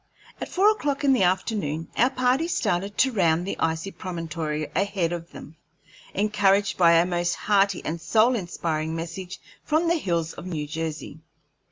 At four o'clock in the afternoon our party started to round the icy promontory ahead of them, encouraged by a most hearty and soul inspiring message from the hills of New Jersey.